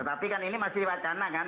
tapi kan ini masih wacana kan